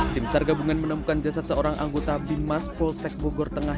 tim sar gabungan menemukan jasad seorang anggota bimas polsek bogor tengah